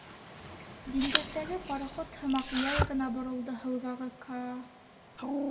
Диңгеҙҙәге пароход һымаҡ яй ғына боролдо һыуҙағы Каа: